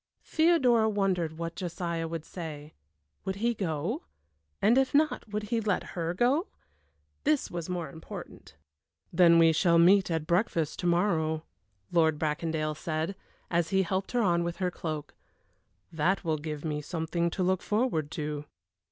Theodora wondered what Josiah would say. Would he go? and if not, would he let her go? This was more important. "Then we shall meet at breakfast to morrow," Lord Bracondale said, as he helped her on with her cloak. "That will give me something to look forward to."